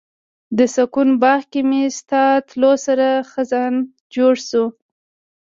د سکون باغ کې مې ستا تلو سره خزان جوړ شو